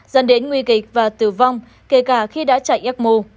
dần đến nguy kịch và tử vong kể cả khi đã chạy ếch mù